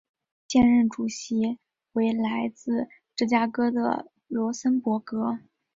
现任主席为来自芝加哥的罗森博格。